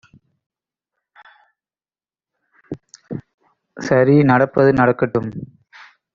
சரி நடப்பது நடக்கட்டும்